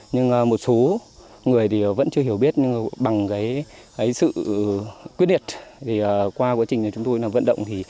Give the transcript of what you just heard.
nhưng một số người vẫn chưa hiểu biết bằng sự quyết liệt qua quá trình chúng tôi vận động